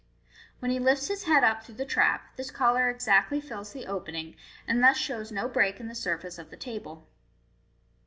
When he lifts his head up through the trap, this collar exactly fills the opening, and thus shows no break in the surface of the table.